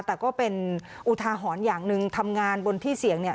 แต่ก็เป็นอุทาหอนอย่างหนึ่งทำงานบนที่เสียง